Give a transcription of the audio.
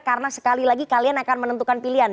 karena sekali lagi kalian akan menentukan pilihan